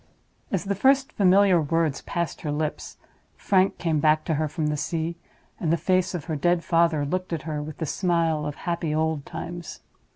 As the first familiar words passed her lips, Frank came back to her from the sea, and the face of her dead father looked at her with the smile of happy old times.